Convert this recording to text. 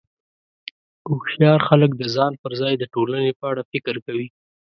هوښیار خلک د ځان پر ځای د ټولنې په اړه فکر کوي.